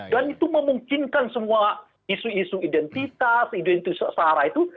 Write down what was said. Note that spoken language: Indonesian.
dan itu memungkinkan semua isu isu identitas identitas searah itu